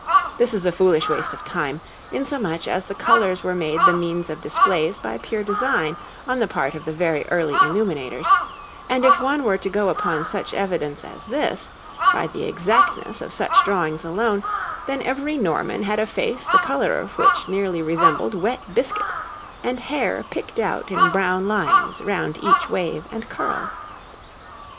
This is a foolish waste of time, insomuch as the colours were made the means of displays of pure design on the part of the very early illuminators; and if one were to go upon such evidence as this, by the exactness of such drawings alone, then every Norman had a face the colour of which nearly resembled wet biscuit, and hair picked out in brown lines round each wave and curl.